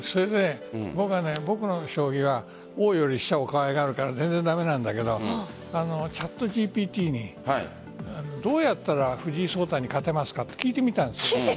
僕の将棋は王より飛車を可愛がるから全然駄目なんだけどＣｈａｔＧＰＴにどうやったら藤井聡太に勝てますかって聞いてみたんです。